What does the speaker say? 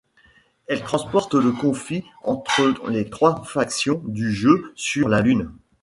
Elle transpose le conflit entre les trois factions du jeu sur la Lune.